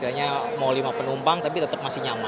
handoko biasanya nyetir sendiri apa